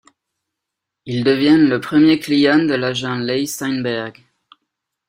Il devient le premier client de l'agent Leigh Steinberg.